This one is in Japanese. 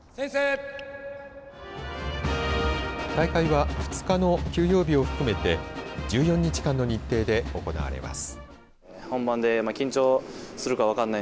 大会は２日の休養日を含めて１４日間の日程で行われます。